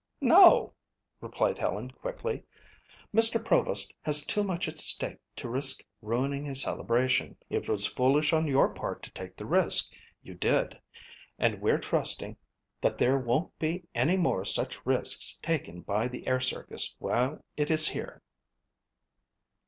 "No," replied Helen quickly. "Mr. Provost has too much at stake to risk ruining his celebration. It was foolish on your part to take the risk you did and we're trusting that there won't be any more such risks taken by the air circus while it is here."